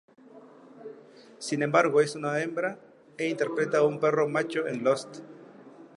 Sin embargo es una hembra, e interpreta a un perro macho en "Lost".